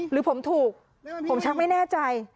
หรือผมถูกผมชักไม่แน่ใจ